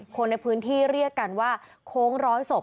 คนในพื้นที่เรียกกันว่าโค้งร้อยศพ